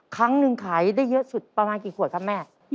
ครั้งหนึ่งขายได้เยอะสุดประมาณกี่ขวดครับแม่